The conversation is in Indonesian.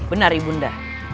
benar ibu merah